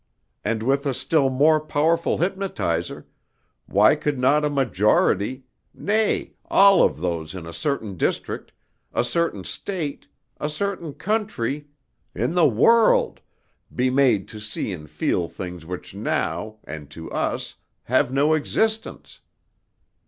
And with a still more powerful hypnotizer, why could not a majority nay, all of those in a certain district, a certain State, a certain country, in the world be made to see and feel things which now, and to us, have no existence?